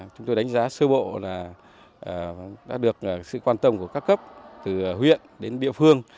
chúng tôi đánh giá sơ bộ là đã được sự quan tâm của các cấp từ huyện đến địa phương